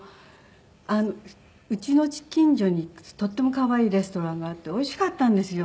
うちの近所にとっても可愛いレストランがあっておいしかったんですよ。